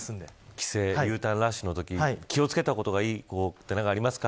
帰省Ｕターンラッシュのときに気を付けた方がいいことはありますか。